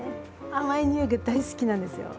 甘い匂いが大好きなんですよ。